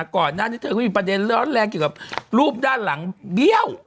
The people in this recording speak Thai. ก่อนหน้านี้เธอก็มีประเด็นร้อนแรงเกี่ยวกับรูปด้านหลังเบี้ยว